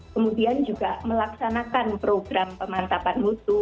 kemudian juga melaksanakan program pemantapan mutu